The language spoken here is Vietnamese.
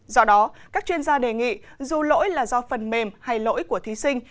do đó các chuyên gia đề nghị dù lỗi là do phần mềm hay lỗi của thí sinh